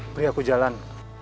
pergi aku jalan